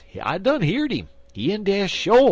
I done heerd 'im. He in dar, sho.'